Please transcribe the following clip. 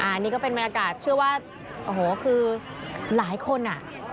อันนี้ก็เป็นบรรยากาศเชื่อว่าโอ้โหคือหลายคนอ่ะ